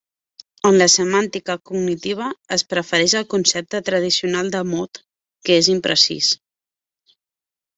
En la semàntica cognitiva es prefereix al concepte tradicional de mot, que és imprecís.